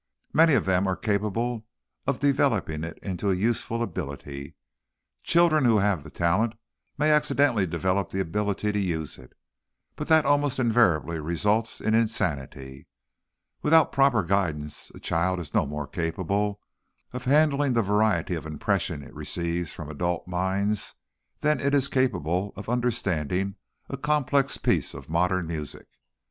"Many of them are capable of developing it into a useful ability. Children who have the talent may accidentally develop the ability to use it, but that almost invariably results in insanity. Without proper guidance, a child is no more capable of handling the variety of impressions it receives from adult minds than it is capable of understanding a complex piece of modern music.